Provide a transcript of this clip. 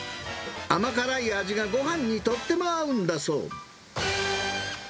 甘辛い味がごはんにとっても合うんだそう。